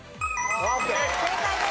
正解です。